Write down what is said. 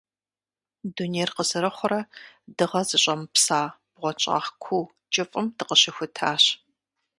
Дунейр къызэрыхъурэ дыгъэ зыщӀэмыпса бгъуэнщӀагъ куу кӀыфӀым дыкъыщыхутащ.